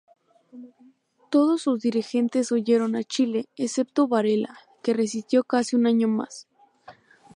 Todos sus dirigentes huyeron a Chile, excepto Varela, que resistió casi un año más.